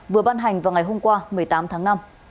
vừa ban hành vào ngày hôm qua một mươi tám tháng năm